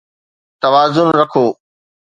توازن رکو